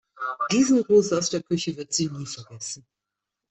Diesen Gruß aus der Küche wird sie nicht vergessen.